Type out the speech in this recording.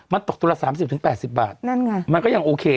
มันตกตัวละ๓๐ถึง๘๐บาทมันก็ยังโอเค